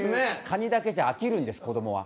カニだけじゃ飽きるんですこどもは。